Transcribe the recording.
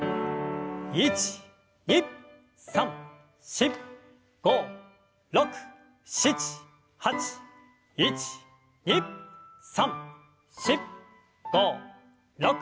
１２３４５６７８１２３４５６。